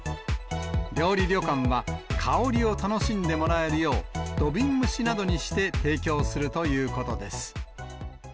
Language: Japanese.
料理旅館は、香りを楽しんでもらえるよう、土瓶蒸しなどにして提供するということです。